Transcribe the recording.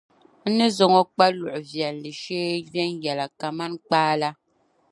N ni zaŋ o kpa luɣ’ viɛlli shee viɛnyɛliŋga kaman kpaa la.